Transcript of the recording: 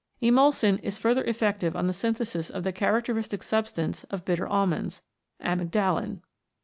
Emulsin is further effective on the synthesis of the characteristic substance of bitter almonds, amygdalin.